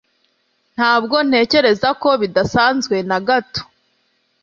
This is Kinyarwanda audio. Ntabwo ntekereza ko bidasanzwe na gato